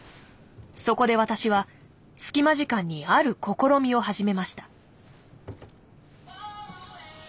そこで私は隙間時間にある試みを始めました。